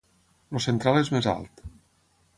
El central és més alt.